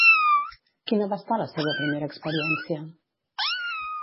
Quina va estar la seva primera experiència?